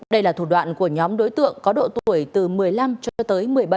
đây là thủ đoạn của nhóm đối tượng có độ tuổi từ một mươi năm cho tới một mươi bảy